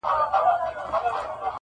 پلار نیکه مي دا تخمونه دي کرلي-